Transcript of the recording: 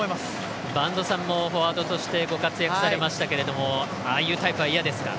播戸さんもフォワードとしてご活躍されましたけどああいうタイプは嫌ですか？